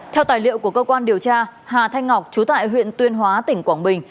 theo tài liệu của cơ quan điều tra hà thanh ngọc chú tại huyện tuyên hóa tỉnh quảng bình